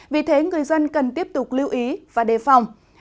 vì thế người dân cần tiếp tục lưu ý và đề phòng